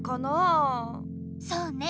そうね